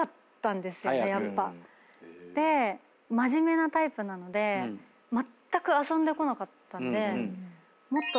真面目なタイプなのでまったく遊んでこなかったんで。